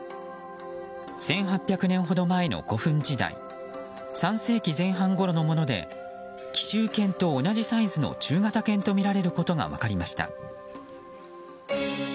１８００年ほど前の古墳時代３世紀前半ごろのもので紀州犬と同じサイズの中型犬とみられることが分かりました。